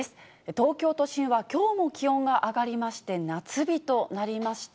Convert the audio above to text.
東京都心はきょうも気温が上がりまして、夏日となりました。